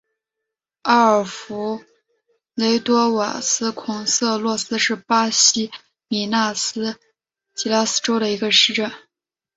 阿尔弗雷多瓦斯孔塞洛斯是巴西米纳斯吉拉斯州的一个市镇。